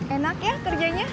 enak ya kerjanya